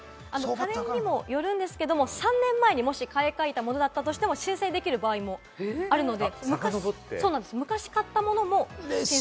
家電にもよるんですけれど、３年前にもし買いかえたものだったとしも修正できる場合もあるので。